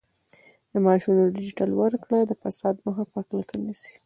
د معاشونو ډیجیټل ورکړه د فساد مخه په کلکه نیسي.